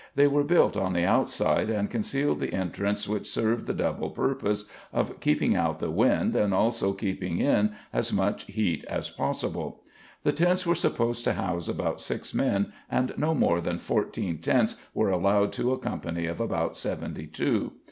They were built on the outside and concealed the entrance which served the double purpose of keeping out the wind and also keeping in as much heat as possible. The tents were supposed to house about six men and no more than fourteen tents were allowed to a company of about seventy two.